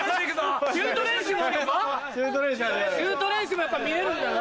シュート練習もやっぱ見れるんだな。